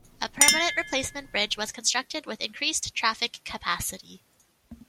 A permanent replacement bridge was constructed with increased traffic capacity.